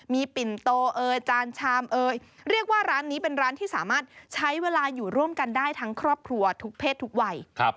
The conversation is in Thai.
มีปิ่นโตเอยจานชามเอยเรียกว่าร้านนี้เป็นร้านที่สามารถใช้เวลาอยู่ร่วมกันได้ทั้งครอบครัวทุกเพศทุกวัย